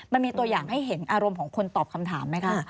มันมีตัวอย่างให้เห็นอารมณ์ของคนตอบคำถามไหมคะ